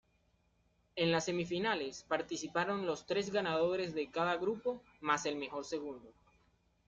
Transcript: En las semifinales participaron los tres ganadores de cada grupo más el mejor segundo.